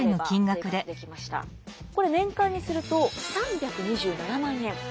これ年間にすると３２７万円。